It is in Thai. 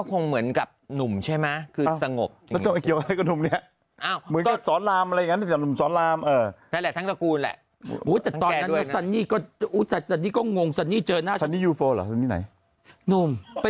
อาจจะมีอีกก็ได้เถอะเขาบอกพี่ตี้เสียใจเยอะนะ